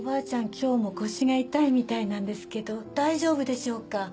今日も腰が痛いみたいなんですけど大丈夫でしょうか？